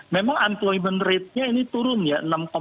memang employment rate nya ini turun ya